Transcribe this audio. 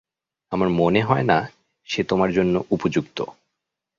আমার মনে হয় না সে তোমার জন্য উপযুক্ত।